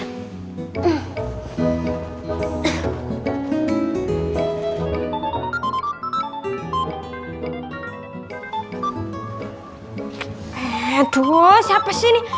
aduh siapa sih ini